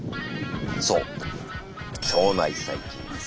そう腸内細菌です。